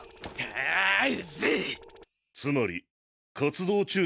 はい！